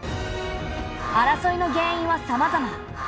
争いの原因はさまざま。